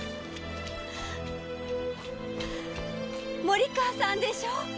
森川さんでしょ？